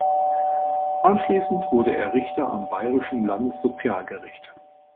Anschließend wurde er Richter am bayerischen Landessozialgericht.